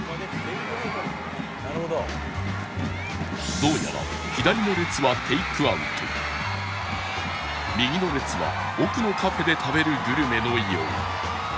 どうやら左の列はテイクアウト右の列は奥のカフェで食べるグルメのよう